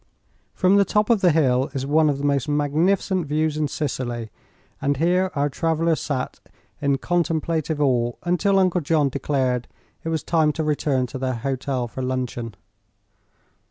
From the top of the hill is one of the most magnificent views in Sicily, and here our travellers sat in contemplative awe until Uncle John declared it was time to return to their hotel for luncheon.